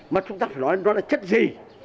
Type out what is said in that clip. mà chúng ta phải nói nó là chất gì